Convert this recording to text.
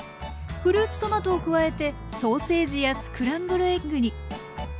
フルーツトマトを加えてソーセージやスクランブルエッグに。